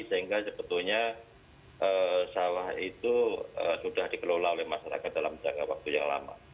sehingga sebetulnya sawah itu sudah dikelola oleh masyarakat dalam jangka waktu yang lama